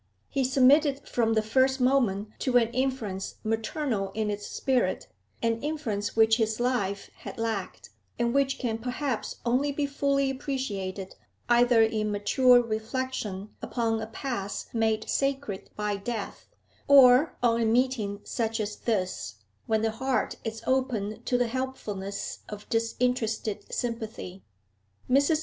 He submitted from the first moment to an influence maternal in its spirit, an influence which his life had lacked, and which can perhaps only be fully appreciated either in mature reflection upon a past made sacred by death, or on a meeting such as this, when the heart is open to the helpfulness of disinterested sympathy. Mrs.